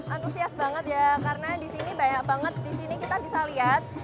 antusias banget ya karena disini banyak banget disini kita bisa lihat